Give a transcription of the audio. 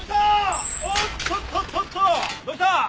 どうしたー？